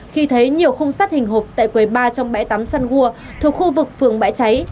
khi thấy nhiều khung sắt hình hộp tại quầy ba trong bãi tắm sunwood thuộc khu vực phường bãi cháy